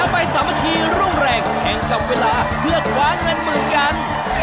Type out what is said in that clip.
ไปสามัคคีรุ่งแรงแข่งกับเวลาเพื่อคว้าเงินหมื่นกัน